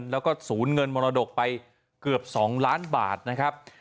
แล้วก็ศูนย์เงินมรดกไปเกือบ๒ล้านบาทนะครับ